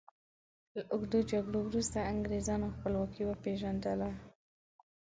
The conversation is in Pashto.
له اوږدو جګړو وروسته انګریزانو خپلواکي وپيژندله.